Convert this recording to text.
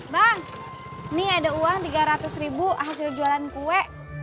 bang ini ada uang tiga ratus ribu hasil jualan kue